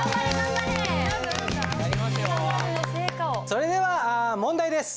それでは問題です。